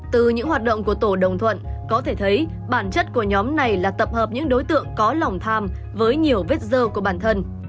từ những hoạt động của tổ đồng thuận có thể thấy bản chất của nhóm này là tập hợp những đối tượng có lòng tham với nhiều vết dơ của bản thân